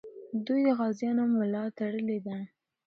دوی د غازیانو ملا تړلې ده.